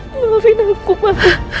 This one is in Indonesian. maafin aku pak